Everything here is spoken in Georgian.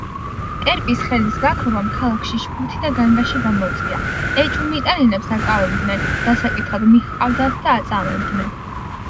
კერპის ხელის გაქრობამ ქალაქში შფოთი და განგაში გამოიწვია, ეჭვმიტანილებს აკავებდნენ, დასაკითხად მიჰყავდათ და აწამებდნენ.